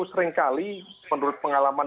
seringkali menurut pengalaman